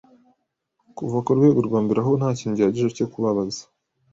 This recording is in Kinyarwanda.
Kuva kurwego rwa mbere aho ntakintu gihagije cyo kubabaza